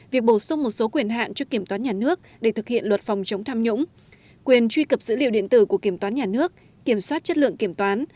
việc bổ sung một số quyền hạn cho kiểm toán nhà nước để thực hiện luật phòng chống tham nhũng quyền truy cập dữ liệu điện tử của kiểm toán nhà nước kiểm soát chất lượng kiểm toán